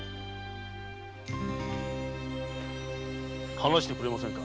話してくれませんか？